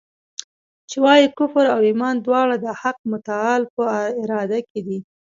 چي وايي کفر او ایمان دواړه د حق متعال په اراده کي دي.